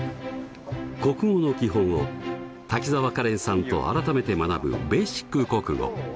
国語の基本を滝沢カレンさんと改めて学ぶ「ベーシック国語」。